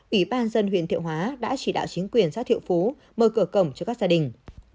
ủy ban dân huyện thiệu hóa đã chỉ đạo chính quyền xã thiệu phú mở cửa cổng cho các gia đình